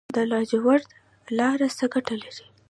د لاجوردو لاره څه ګټه لري؟